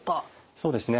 そうですね。